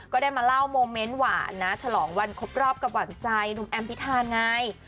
ก็ได้มาเล่าโมเมนต์หวานนะฉลองวันครบรอบกับหวานใจหนุ่มแอมพิธาไง